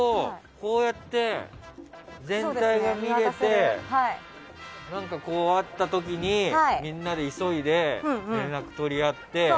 こうやって全体が見れて何かあった時にみんなで急いで連絡取り合って。